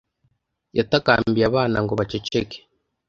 Yatakambiye abana ngo baceceke.